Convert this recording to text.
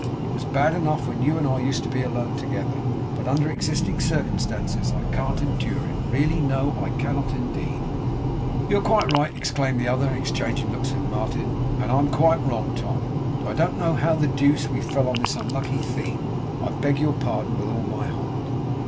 It was bad enough when you and I used to be alone together, but under existing circumstances, I can't endure it, really. No. I cannot, indeed.' 'You are quite right!' exclaimed the other, exchanging looks with Martin. 'and I am quite wrong, Tom, I don't know how the deuce we fell on this unlucky theme. I beg your pardon with all my heart.